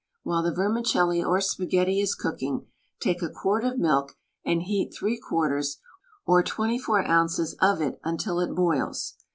While the vermicelli or spaghetti is cooking, take a quart of milk and heat three quarters — or 24 ounces — of it until it boils.